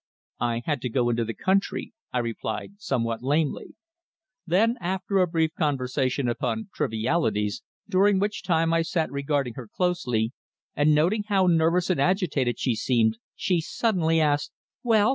"I had to go into the country," I replied somewhat lamely. Then after a brief conversation upon trivialities, during which time I sat regarding her closely, and noting how nervous and agitated she seemed, she suddenly asked: "Well!